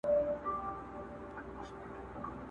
چي د ښارونو جنازې وژاړم!.